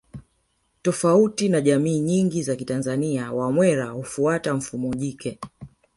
Tofauti na jamii nyingi za kitanzania Wamwera hufuata mfumo jike